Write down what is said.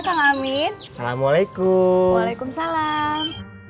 amin assalamualaikum waalaikumsalam